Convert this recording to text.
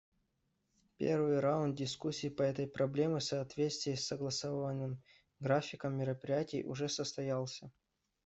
Первый раунд дискуссий по этой проблеме, в соответствии с согласованным графиком мероприятий, уже состоялся.